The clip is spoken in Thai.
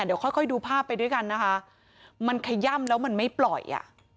เดี๋ยวค่อยค่อยดูภาพไปด้วยกันนะคะมันขย่ำแล้วมันไม่ปล่อยอ่ะ